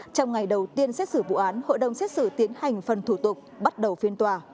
trong ngày đầu tiên xét xử vụ án hội đồng xét xử tiến hành phần thủ tục bắt đầu phiên tòa